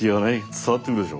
伝わってくるでしょ。